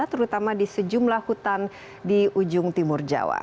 terutama di sejumlah hutan di ujung timur jawa